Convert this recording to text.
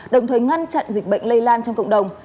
đồng thời ngăn chặn dịch bệnh lây lan trong cộng đồng